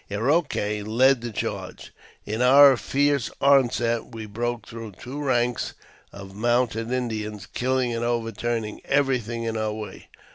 Eroquey led the charge. In our fierce onset we broke through two ranks of mounted Indians, killing and overturning everything in our way.